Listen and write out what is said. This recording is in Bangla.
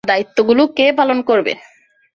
আমার দায়িত্বগুলো কে পালন করবে?